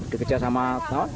pernah dikejar sama tawon